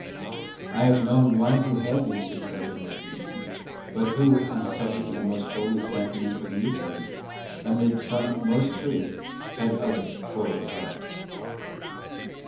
I have known one who had these Successive Locutions, but who, on the subject of the Most Holy Sacrament of the Eucharist, amid some most true, had others full of error.